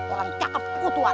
orang cakep kutuan